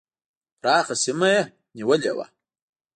پراخه سیمه یې نیولې وه.